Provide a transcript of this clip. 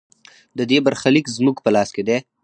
د دې برخلیک زموږ په لاس کې دی؟